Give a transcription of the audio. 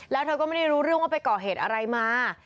แล้วเธอก็ไม่ได้รู้เรื่องว่าไปก่อเหตุอะไรมา